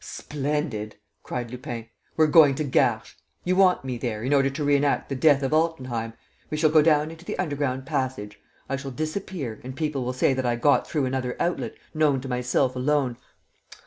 "Splendid!" cried Lupin. "We're going to Garches! You want me there, in order to reënact the death of Altenheim. We shall go down into the underground passage, I shall disappear and people will say that I got through another outlet, known to myself alone!